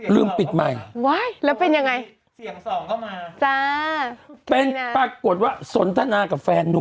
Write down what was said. ปิดใหม่ว้ายแล้วเป็นยังไงเสียงสองเข้ามาจ้าเป็นปรากฏว่าสนทนากับแฟนนุ่ม